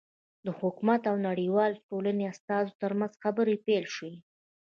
د حکومت او نړیوالې ټولنې استازو ترمنځ خبرې پیل شوې.